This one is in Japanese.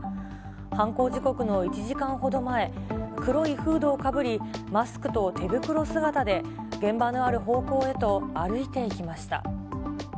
犯行時刻の１時間ほど前、黒いフードをかぶり、マスクと手袋姿で現場のある方向へと歩いていきました。